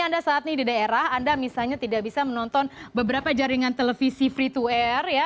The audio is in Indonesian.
anda saat ini di daerah anda misalnya tidak bisa menonton beberapa jaringan televisi free to air ya